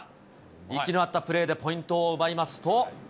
息の合ったプレーでポイントを奪いますと。